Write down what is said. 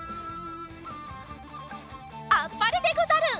あっぱれでござる！